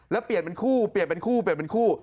แล้วเปลี่ยนเป็นคู่เปลี่ยนเป็นคู่เปลี่ยนเป็นคู่